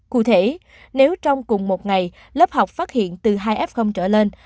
cụ thể nếu trong cùng một ngày lớp học phát hiện từ hai f trở lên